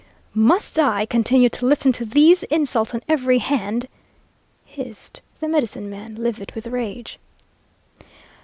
"'Must I continue to listen to these insults on every hand?' hissed the medicine man, livid with rage.